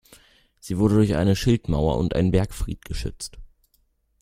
Sie wurde durch eine Schildmauer und einen Bergfried geschützt.